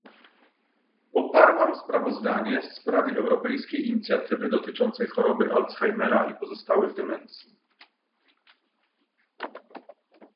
Poparłam sprawozdanie w sprawie europejskiej inicjatywy dotyczącej choroby Alzheimera i pozostałych demencji